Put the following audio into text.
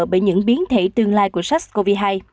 bởi những biến thể tương lai của sars cov hai